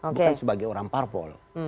bukan sebagai orang parpol